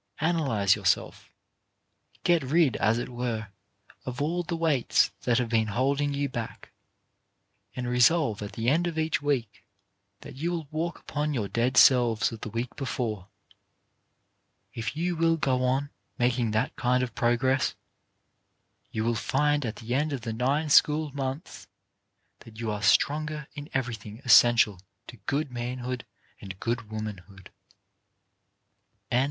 Analyze yourself. Get rid, as it were, of all the weights that have been holding you back, and resolve at the end of each week that you will walk upon your dead selves of the week before. If you will go on, making that kind of progress, you will find at the end of the nine school months that you are stronger in everything essential to good man hood and good womanhood.